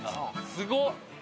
すごっ！